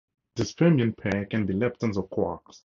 This fermion pair can be leptons or quarks.